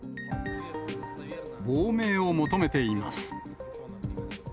亡命を求めています。